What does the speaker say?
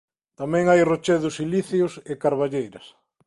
Tamén hai rochedos silíceos e carballeiras.